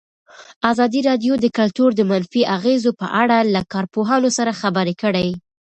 ازادي راډیو د کلتور د منفي اغېزو په اړه له کارپوهانو سره خبرې کړي.